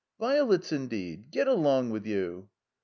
"Violets indeed! Get along with you!"